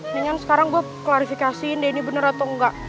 dengan sekarang gue klarifikasiin deh ini bener atau enggak